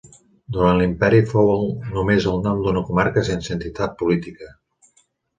Durant l'imperi, fou només el nom d'una comarca sense entitat política.